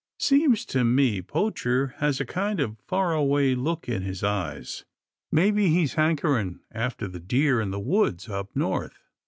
" Seems to me Poacher has a kind of faraway look in his eyes. Maybe he's hankering after the deer in the woods up north."